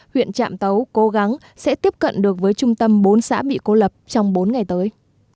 huyện trạm tấu cố gắng sẽ tiếp cận được với trung tâm bốn xã bị cô lập trong bốn ngày tới